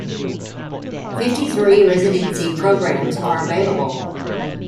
Fifty-three residency programs are available.